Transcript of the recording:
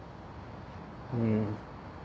うん。